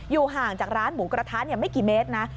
อยู่ห่างจากร้านหมูกระทะเนี่ยไม่กี่เมตรนะ